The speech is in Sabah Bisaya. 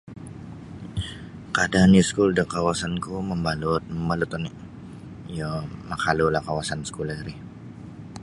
Kaadaan iskul da kawasan ku mabalut mabalut oni iyo makalu lah kawasan skulah ri.